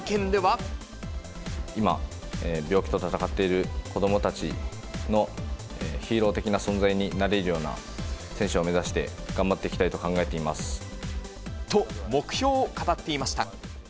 今、病気と闘っている子どもたちのヒーロー的な存在になれるような選手を目指して、と、目標を語っていました。